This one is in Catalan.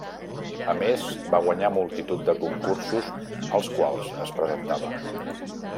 A més, va guanyar multitud de concursos als quals es presentava.